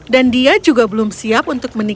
dan dia juga belum siap untuk menangis